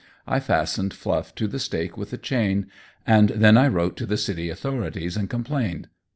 I fastened Fluff to the stake with a chain, and then I wrote to the city authorities and complained.